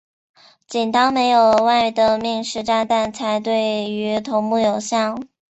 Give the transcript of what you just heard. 仅当没有额外的命时炸弹才对于头目有效。